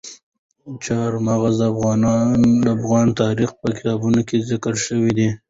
چار مغز د افغان تاریخ په کتابونو کې ذکر شوی دي.